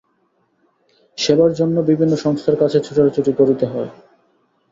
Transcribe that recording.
সেবার জন্য বিভিন্ন সংস্থার কাছে ছোটাছুটি করতে হয়।